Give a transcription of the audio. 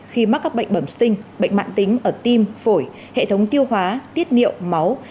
khi mắc các bệnh bẩm sinh bệnh mạng tính ở tim phổi hệ thống tiêu hóa tiết niệu máu